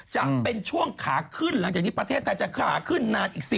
จะเป็นช่วงขาขึ้นหลังจากนี้ประเทศไทยจะขาขึ้นนานอีก๑๐